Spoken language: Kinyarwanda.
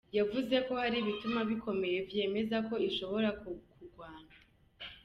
Yavuze ko hari " ibituma bikomeye vyemeza ko ishobora kugwanywa".